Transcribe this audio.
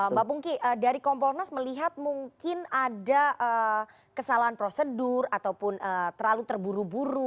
mbak pungki dari kompolnas melihat mungkin ada kesalahan prosedur ataupun terlalu terburu buru